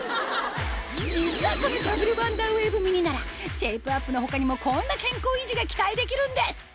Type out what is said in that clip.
実はこのダブルワンダーウェーブミニならシェイプアップの他にもこんな健康維持が期待できるんです